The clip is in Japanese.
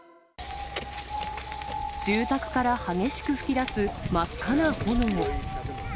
住宅から激しく噴き出す真っ赤な炎。